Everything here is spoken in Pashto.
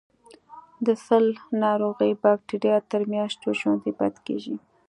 د سل ناروغۍ بکټریا تر میاشتو ژوندي پاتې کیږي.